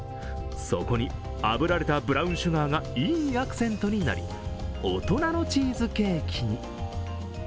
そこにあぶられたブラウンシュガーがいいアクセントになり、大人のチーズケーキに。